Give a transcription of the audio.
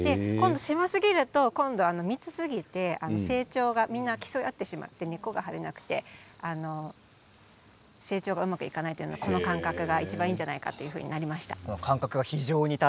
狭すぎると今度は密すぎて成長がみんな競い合ってしまって根っこが入らなくて成長がうまくいかないのでこの間隔がいちばんいいんじゃないかとなりました。